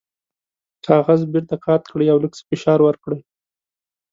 کاغذ بیرته قات کړئ او لږ څه فشار ورکړئ.